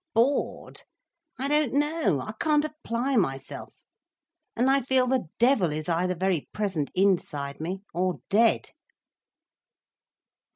"Bored, I don't know. I can't apply myself. And I feel the devil is either very present inside me, or dead."